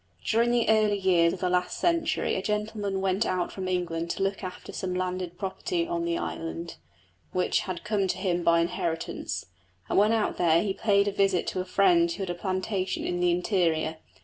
During the early years of the last century a gentleman went out from England to look after some landed property in the island, which had come to him by inheritance, and when out there he paid a visit to a friend who had a plantation in the interior.